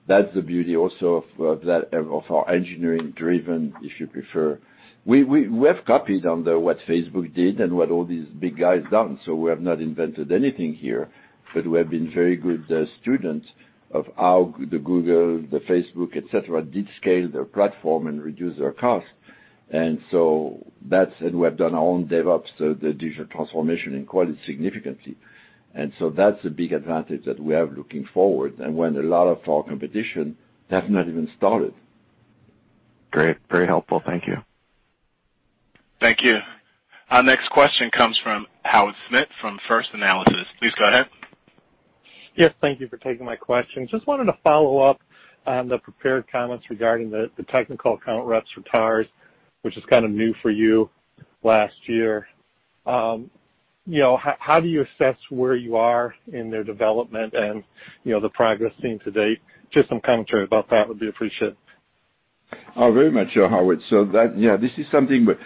That's the beauty also of our engineering driven, if you prefer. We have copied on what Facebook did and what all these big guys done. We have not invented anything here, but we have been very good students of how the Google, the Facebook, et cetera, did scale their platform and reduce their cost. We have done our own DevOps, the digital transformation in quite significantly. That's a big advantage that we have looking forward when a lot of our competition have not even started. Great. Very helpful. Thank you. Thank you. Our next question comes from Howard Smith from First Analysis. Please go ahead. Yes, thank you for taking my question. Just wanted to follow up on the prepared comments regarding the Technical Account Reps or TARs, which is kind of new for you last year. How do you assess where you are in their development and the progress seen to date? Just some commentary about that would be appreciated. Oh, very much so, Howard. This is something that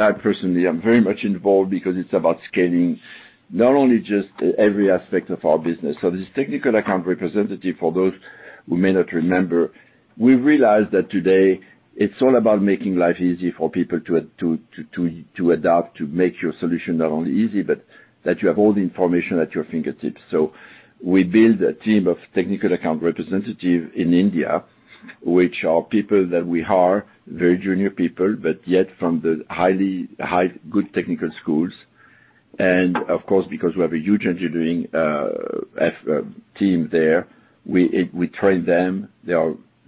I personally am very much involved because it's about scaling not only just every aspect of our business. This Technical Account Representative, for those who may not remember, we realized that today it's all about making life easy for people to adopt, to make your solution not only easy, but that you have all the information at your fingertips. We build a team of Technical Account Representative in India, which are people that we hire, very junior people, but yet from the good technical schools. Of course, because we have a huge engineering team there, we train them.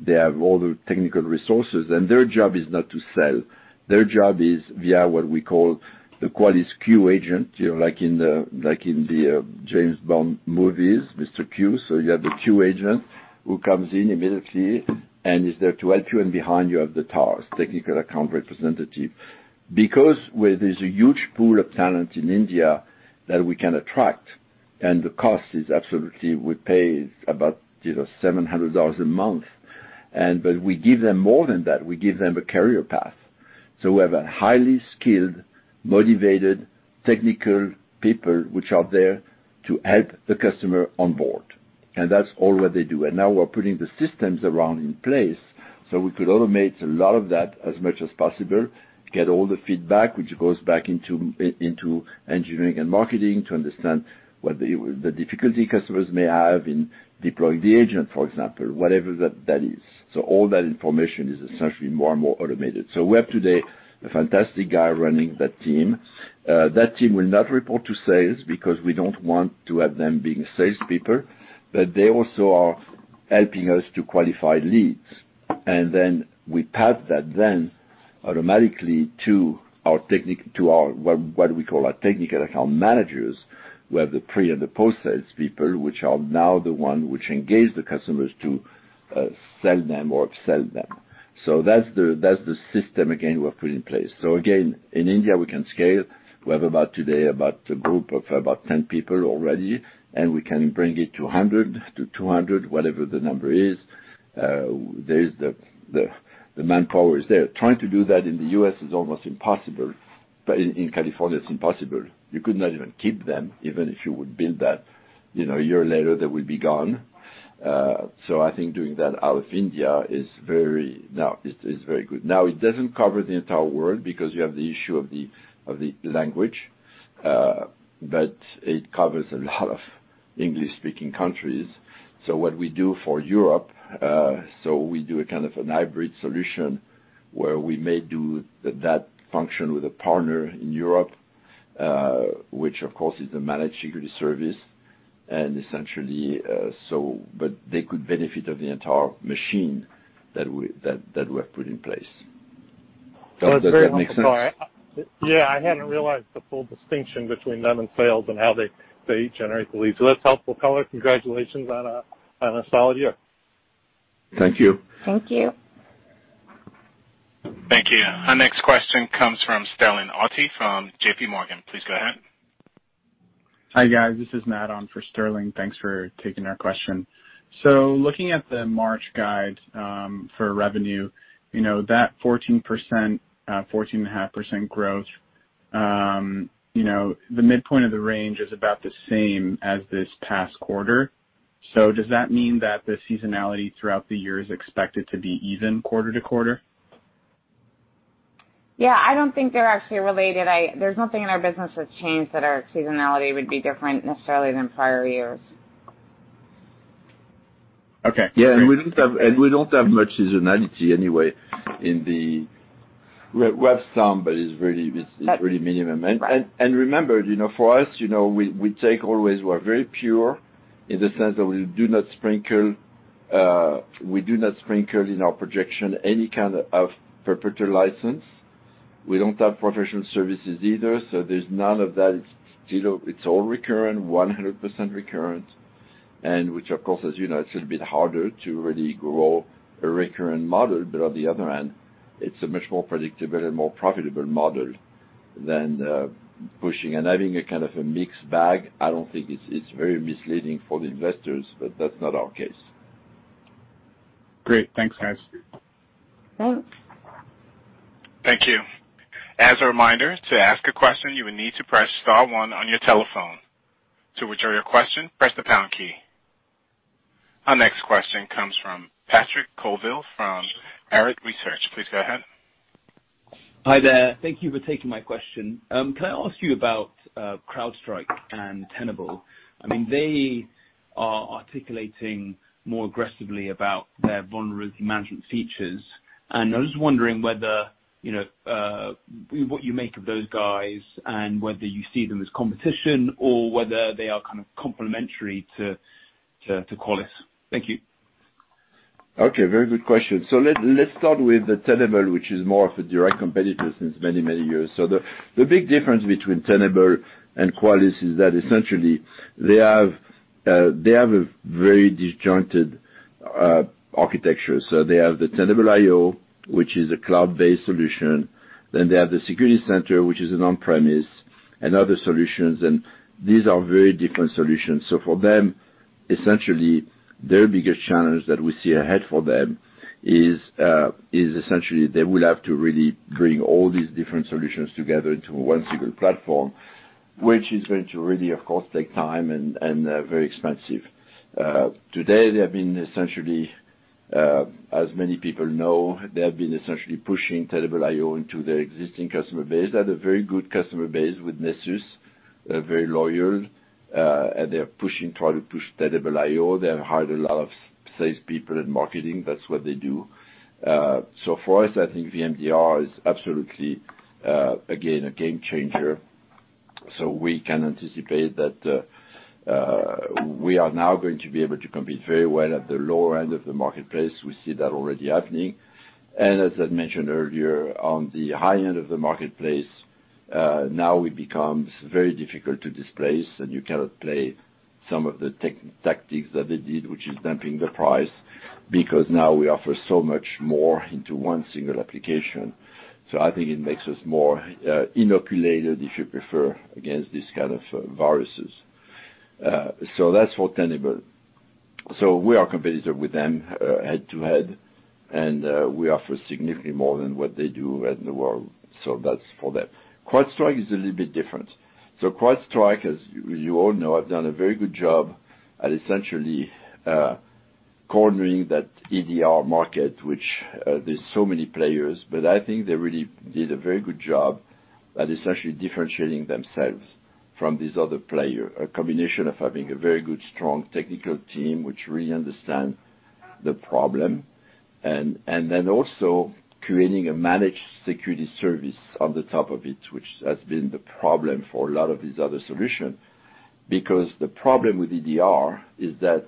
They have all the technical resources, and their job is not to sell. Their job is via what we call the Qualys Q agent, like in the James Bond movies, Mr. Q. You have the Q agent who comes in immediately and is there to help you. Behind you have the TARs, technical account representative. Where there's a huge pool of talent in India that we can attract. The cost is absolutely, we pay about $700 a month. We give them more than that. We give them a career path. We have a highly skilled, motivated technical people which are there to help the customer on board. That's all what they do. Now we're putting the systems around in place so we could automate a lot of that as much as possible, get all the feedback which goes back into engineering and marketing to understand what the difficulty customers may have in deploying the agent, for example, whatever that is. All that information is essentially more and more automated. We have today a fantastic guy running that team. That team will not report to sales because we don't want to have them being salespeople, but they also are helping us to qualify leads. Then we pass that then automatically to what we call our technical account managers, who are the pre- and the post-sales people, which are now the one which engage the customers to sell them or upsell them. That's the system again we have put in place. Again, in India we can scale. We have today, about a group of about 10 people already, and we can bring it to 100 to 200, whatever the number is. The manpower is there. Trying to do that in the U.S. is almost impossible. In California, it's impossible. You could not even keep them, even if you would build that. A year later, they would be gone. I think doing that out of India is very good. It doesn't cover the entire world because you have the issue of the language, but it covers a lot of English-speaking countries. What we do for Europe, we do a kind of a hybrid solution where we may do that function with a partner in Europe, which of course, is a managed security service, and essentially, but they could benefit of the entire machine that we have put in place. Does that make sense? Yeah. I hadn't realized the full distinction between them and sales and how they generate the leads. That's helpful, Courtot. Congratulations on a solid year. Thank you. Thank you. Thank you. Our next question comes from Sterling Auty from JPMorgan. Please go ahead. Hi, guys, this is Matt on for Sterling. Thanks for taking our question. Looking at the March guide, for revenue, that 14.5% growth, the midpoint of the range is about the same as this past quarter. Does that mean that the seasonality throughout the year is expected to be even quarter-to-quarter? Yeah, I don't think they're actually related. There's nothing in our business that's changed that our seasonality would be different necessarily than prior years. Okay. Yeah. We don't have much seasonality anyway. We have some, but it's really minimum. Right. Remember, for us, we're very pure in the sense that we do not sprinkle in our projection any kind of perpetual license. We don't have professional services either. There's none of that. It's all recurrent, 100% recurrent, and which of course, as you know, it's a little bit harder to really grow a recurrent model. On the other hand, it's a much more predictable and more profitable model than pushing and having a kind of a mixed bag. I don't think it's very misleading for the investors, but that's not our case. Great. Thanks, guys. Thanks. Thank you. As a reminder, to ask a question, you will need to press star one on your telephone. To withdraw your question, press the pound key. Our next question comes from Patrick Colville from Arete Research. Please go ahead. Hi, there. Thank you for taking my question. Can I ask you about CrowdStrike and Tenable? They are articulating more aggressively about their vulnerability management features, and I was just wondering what you make of those guys and whether you see them as competition or whether they are kind of complementary to Qualys. Thank you. Okay, very good question. Let's start with the Tenable, which is more of a direct competitor since many, many years. The big difference between Tenable and Qualys is that essentially they have a very disjointed architecture. They have the Tenable.io, which is a cloud-based solution, then they have the security center, which is an on-premise and other solutions, and these are very different solutions. For them, essentially, their biggest challenge that we see ahead for them is, essentially, they will have to really bring all these different solutions together into one single platform, which is going to really, of course, take time and very expensive. Today, as many people know, they have been essentially pushing Tenable.io into their existing customer base. They have a very good customer base with Nessus. They're very loyal. They're trying to push Tenable.io. They have hired a lot of salespeople and marketing. That's what they do. For us, I think VMDR is absolutely, again, a game changer. We can anticipate that we are now going to be able to compete very well at the lower end of the marketplace. We see that already happening. As I mentioned earlier, on the high end of the marketplace, now it becomes very difficult to displace, and you cannot play some of the tactics that they did, which is dumping the price, because now we offer so much more into one single application. I think it makes us more inoculated, if you prefer, against these kind of viruses. That's for Tenable. We are competitor with them head-to-head, and we offer significantly more than what they do in the world. That's for them. CrowdStrike is a little bit different. CrowdStrike, as you all know, have done a very good job at essentially cornering that EDR market, which there's so many players, but I think they really did a very good job at essentially differentiating themselves from these other player. A combination of having a very good, strong technical team, which really understand the problem. Also creating a managed security service on the top of it, which has been the problem for a lot of these other solution. The problem with EDR is that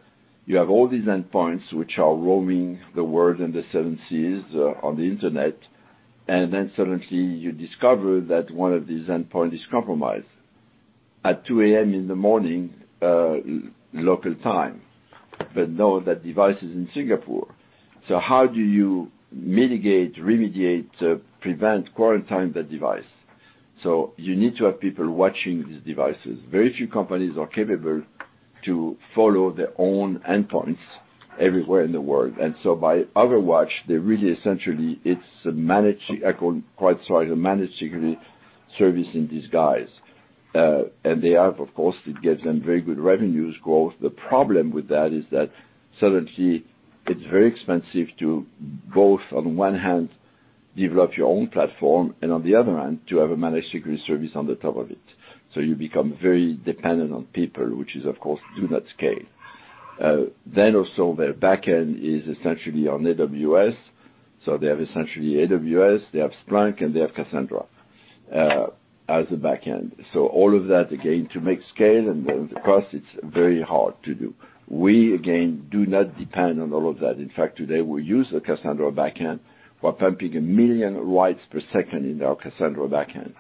you have all these endpoints which are roaming the world and the seven seas on the Internet, and then suddenly you discover that one of these endpoint is compromised at 2:00 A.M. in the morning, local time, but know that device is in Singapore. How do you mitigate, remediate, prevent, quarantine that device? You need to have people watching these devices. Very few companies are capable to follow their own endpoints everywhere in the world. By Overwatch, they're really essentially, it's a managed security service in disguise. They have, of course, it gives them very good revenue growth. The problem with that is that suddenly it's very expensive to both, on one hand, develop your own platform, and on the other hand, to have a managed security service on the top of it. You become very dependent on people, which is, of course, do not scale. Also their backend is essentially on AWS, they have essentially AWS, they have Splunk, and they have Cassandra as the backend. All of that, again, to make scale and the cost, it's very hard to do. We, again, do not depend on all of that. In fact, today we use a Cassandra backend. We're pumping 1 million writes per second in our Cassandra backend.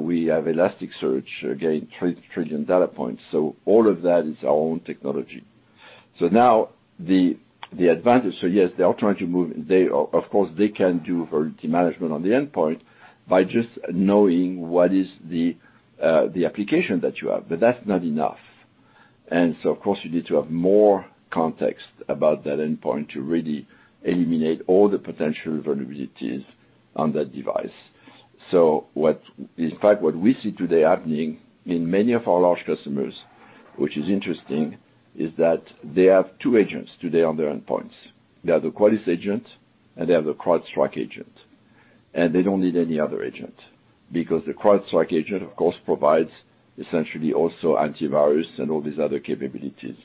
We have Elasticsearch, again, 3 trillion data points. All of that is our own technology. Now the advantage, so yes, they are trying to move, they of course, they can do Vulnerability Management on the endpoint by just knowing what is the application that you have, but that's not enough. Of course you need to have more context about that endpoint to really eliminate all the potential vulnerabilities on that device. In fact, what we see today happening in many of our large customers, which is interesting, is that they have two agents today on their endpoints. They have the Qualys agent and they have the CrowdStrike agent, and they don't need any other agent because the CrowdStrike agent, of course, provides essentially also antivirus and all these other capabilities.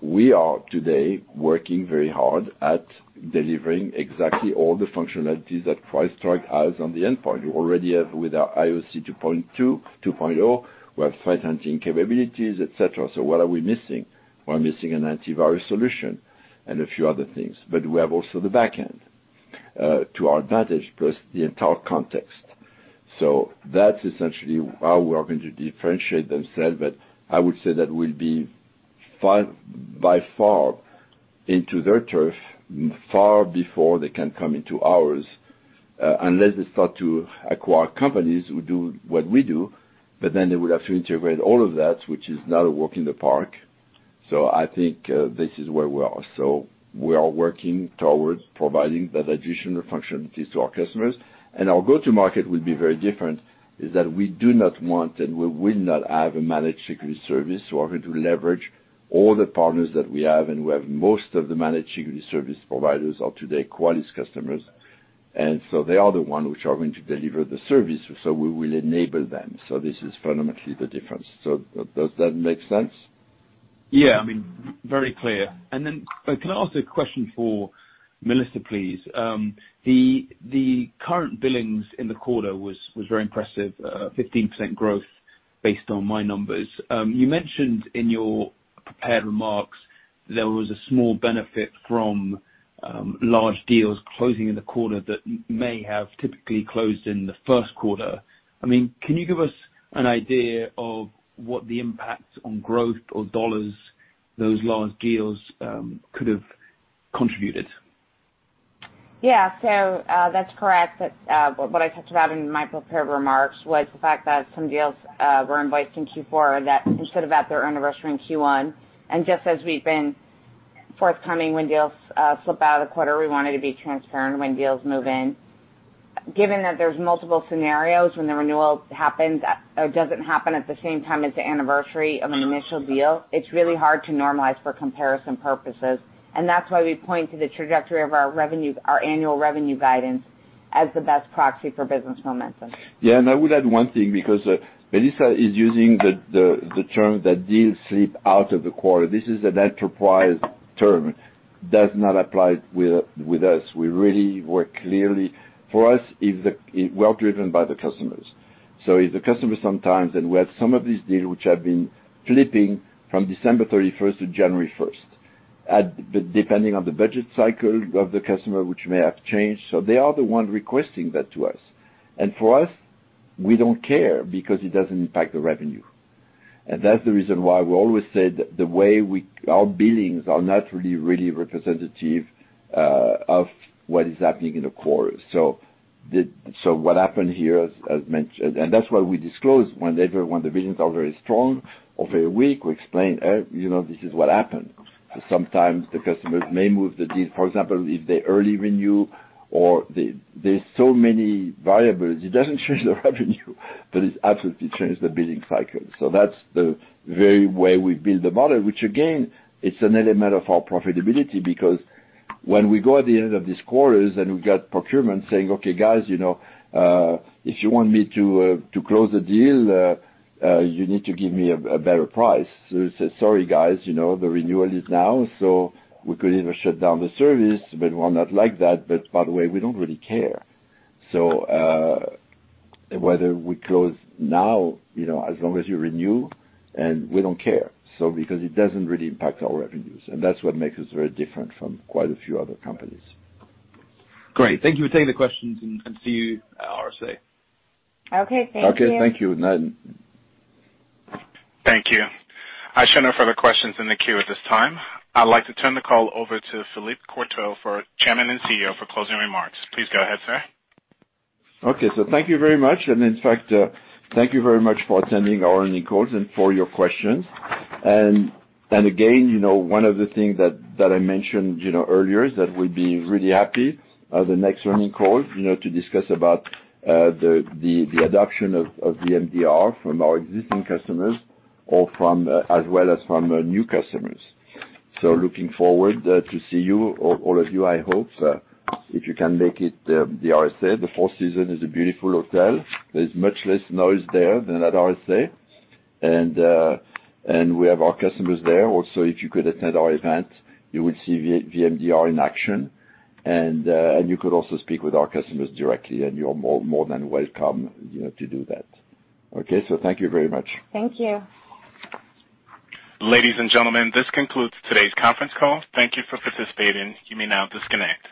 We are today working very hard at delivering exactly all the functionalities that CrowdStrike has on the endpoint. We already have with our IoC 2.2.0, we have threat hunting capabilities, et cetera. What are we missing? We're missing an antivirus solution and a few other things. We have also the backend to our advantage plus the entire context. That's essentially how we are going to differentiate themselves. I would say that we'll be by far into their turf far before they can come into ours, unless they start to acquire companies who do what we do, then they will have to integrate all of that, which is not a walk in the park. I think, this is where we are. We are working towards providing that additional functionalities to our customers. Our go-to market will be very different is that we do not want, and we will not have a managed security service. We are going to leverage all the partners that we have. We have most of the managed security service providers are today Qualys customers. They are the one which are going to deliver the service. We will enable them. This is fundamentally the difference. Does that make sense? Yeah, very clear. Then can I ask a question for Melissa, please? The current billings in the quarter was very impressive, a 15% growth based on my numbers. You mentioned in your prepared remarks there was a small benefit from large deals closing in the quarter that may have typically closed in the first quarter. Can you give us an idea of what the impact on growth or dollars those large deals could have contributed? That's correct. What I talked about in my prepared remarks was the fact that some deals were invoiced in Q4 that should have at their anniversary in Q1. Just as we've been forthcoming when deals slip out a quarter, we wanted to be transparent when deals move in. Given that there's multiple scenarios when the renewal happens or doesn't happen at the same time as the anniversary of an initial deal, it's really hard to normalize for comparison purposes, and that's why we point to the trajectory of our annual revenue guidance as the best proxy for business momentum. Yeah, I would add one thing because Melissa is using the term that deals slip out of the quarter. This is an enterprise term, does not apply with us. We really work clearly. For us, is well driven by the customers. If the customer sometimes, and we have some of these deals which have been flipping from December 31st to January 1st, depending on the budget cycle of the customer, which may have changed. They are the one requesting that to us. For us, we don't care because it doesn't impact the revenue. That's the reason why we always said the way our billings are not really representative of what is happening in the quarter. What happened here as mentioned, and that's why we disclose whenever when the billings are very strong over a week, we explain, this is what happened. Sometimes the customers may move the deal. For example, if they early renew or there's so many variables, it doesn't change the revenue, but it absolutely changes the billing cycle. That's the very way we build the model, which again, it's an element of our profitability because when we go at the end of these quarters and we got procurement saying, "Okay, guys, if you want me to close the deal, you need to give me a better price." We say, "Sorry, guys, the renewal is now, so we could either shut down the service, but well, not like that, but by the way, we don't really care." Whether we close now, as long as you renew, and we don't care. Because it doesn't really impact our revenues, and that's what makes us very different from quite a few other companies. Great. Thank you for taking the questions and see you at RSA. Okay, thank you. Okay, thank you. Night. Thank you. I show no further questions in the queue at this time. I'd like to turn the call over to Philippe Courtot, for Chairman and CEO, for closing remarks. Please go ahead, sir. Thank you very much. In fact, thank you very much for attending our earnings call and for your questions. Again, one of the things that I mentioned earlier is that we'd be really happy at the next earnings call to discuss about the adoption of VMDR from our existing customers or from, as well as from new customers. Looking forward to see you or all of you, I hope, if you can make it, the RSA. The Four Seasons is a beautiful hotel. There's much less noise there than at RSA and we have our customers there also. If you could attend our event, you will see VMDR in action. You could also speak with our customers directly, and you're more than welcome to do that. Thank you very much. Thank you. Ladies and gentlemen, this concludes today's conference call. Thank you for participating. You may now disconnect.